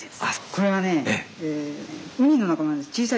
これはね